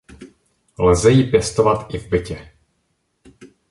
Lze ji se pěstovat i v bytě.